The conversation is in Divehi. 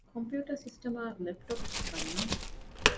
ކޮމްޕިއުޓަރ ސިސްޓަމާއި ލެޕްޓޮޕް ގަންނަން